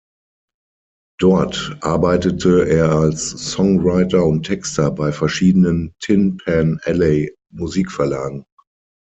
Dort arbeitete er als Songwriter und Texter bei verschiedenen Tin-Pan-Alley-Musikverlagen.